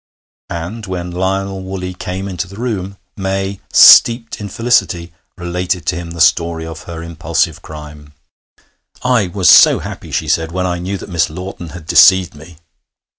And when Lionel Woolley came into the room, May, steeped in felicity, related to him the story of her impulsive crime. 'I was so happy,' she said, 'when I knew that Miss Lawton had deceived me.'